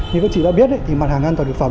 như các chị đã biết thì mặt hàng an toàn thực phẩm